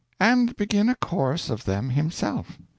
"And begin a course of them himself."